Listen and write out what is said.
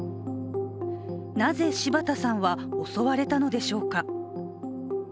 なぜ、柴田さんは襲われたのでしょうか。